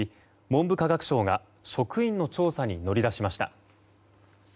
文部科学省が職員の調査に乗り出しました。